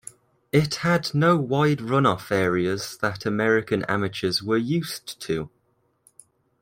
It had no wide run-off areas that American amateurs were used to.